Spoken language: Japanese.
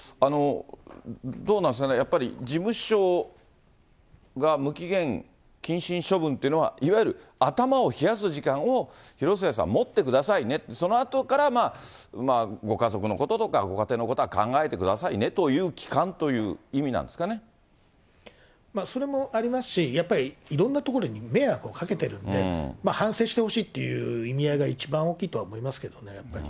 どうなんですかね、やっぱり事務所が無期限謹慎処分っていうのは、いわゆる頭を冷やす時間を、広末さん、持ってくださいね、そのあとからご家族のこととか、ご家庭のことは考えてくださいねという期間という意味なんですかそれもありますし、やっぱりいろんなところに迷惑をかけてるんで、反省してほしいっていう意味合いが一番大きいとは思いますけどね、やっぱり。